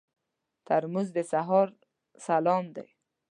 ترموز د سهار سلام دی.